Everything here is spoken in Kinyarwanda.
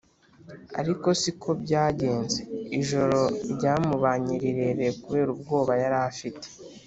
ariko siko byagenze ijoro ryamubanye rirerire kubera ubwoba yari afite,